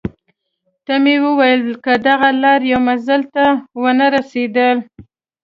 ته مې وویل: که دغه لار یو منزل ته ونه رسېدل.